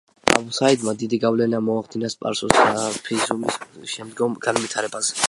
აბუ საიდმა დიდი გავლენა მოახდინა სპარსული სუფიზმის შემდგომ განვითარებაზე.